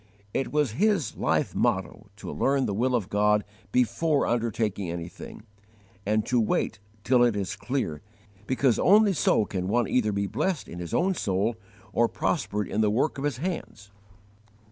It was his life motto to learn the will of God before undertaking anything, and to wait till it is clear, because only so can one either be blessed in his own soul or prospered in the work of his hands.